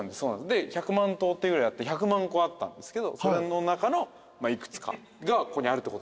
で百万塔っていうぐらいあって１００万個あったんですけどそれの中の幾つかがここにあるってことですよね？